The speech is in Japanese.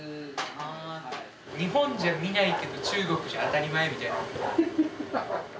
日本じゃ見ないけど中国じゃ当たり前みたいなことってある？